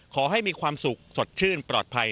ขอให้มีความสุขสดชื่นปลอดภัย